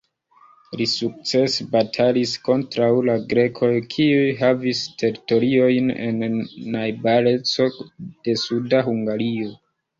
Li sukcese batalis kontraŭ la grekoj, kiuj havis teritoriojn en najbareco de suda Hungario.